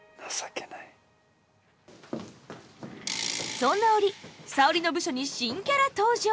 そんな折沙織の部署に新キャラ登場！